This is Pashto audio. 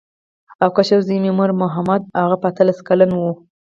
او کشر زوی مې عمر محمد و هغه به اتلس کلن و.